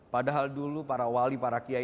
padahal dulu para wali para kiai